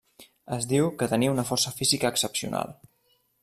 Es diu que tenia una força física excepcional.